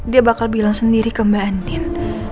dia bakal bilang sendiri ke mbak andin